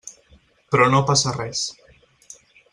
Però no passa res.